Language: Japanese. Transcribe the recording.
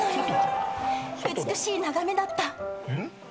美しい眺めだった。